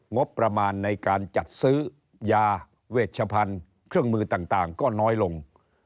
งบประมาณในการจัดซื้อยาเวชพันธุ์เครื่องมือต่างก็น้อยลง